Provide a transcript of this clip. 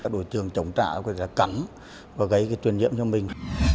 đội trường chống trả cái cái cắn và gây cái truyền nhiễm cho mình